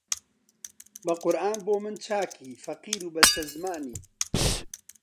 بە قورئان بۆ من چاکی فەقیر و بەستەزمانی